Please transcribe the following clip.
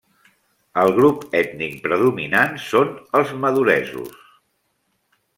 El grup ètnic predominant són els maduresos.